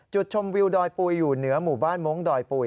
จุดชมวิวดอยปุ๋ยอยู่เหนือหมู่บ้านมงค์ดอยปุ๋ย